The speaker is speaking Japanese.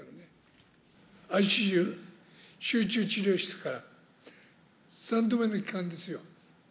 ＩＣＵ・集中治療室から３度目の帰還ですよ。